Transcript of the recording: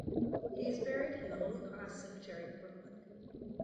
He is buried in the Holy Cross Cemetery, Brooklyn.